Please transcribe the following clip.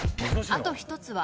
あと１つは？